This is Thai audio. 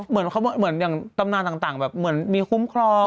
เหมือนอย่างตำนานต่างแบบเหมือนมีคุ้มครอง